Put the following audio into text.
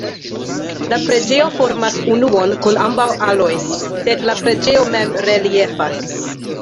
La preĝejo formas unuon kun ambaŭ aloj, sed la preĝejo mem reliefas.